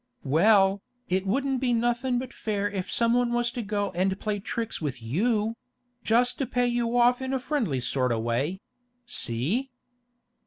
'Well, it wouldn't be nothing but fair if someone was to go and play tricks with you—just to pay you off in a friendly sort o' way—see?